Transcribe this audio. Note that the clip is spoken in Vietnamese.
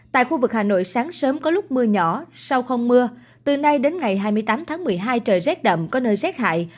tại khu vực hà nội sáng sớm có lúc mưa nhỏ sau không mưa từ nay đến ngày hai mươi tám tháng một mươi hai trời rét đậm có nơi rét hại